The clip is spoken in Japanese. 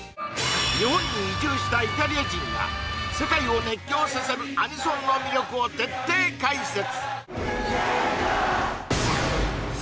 日本に移住したイタリア人が世界を熱狂させるアニソンの魅力を徹底解説